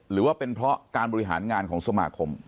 หรือว่าเป็นเพราะการบริหารงานของสมาคม